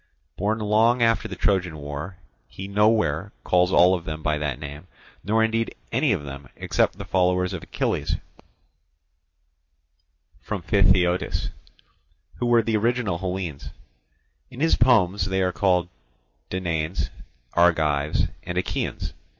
Born long after the Trojan War, he nowhere calls all of them by that name, nor indeed any of them except the followers of Achilles from Phthiotis, who were the original Hellenes: in his poems they are called Danaans, Argives, and Achaeans.